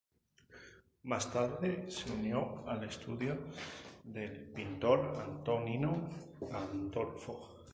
Más tarde se unió al estudio del pintor Antonino Gandolfo.